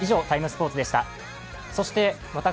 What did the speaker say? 「ＴＩＭＥ，スポーツ」でした。